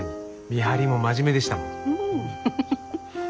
見張りも真面目でしたもん。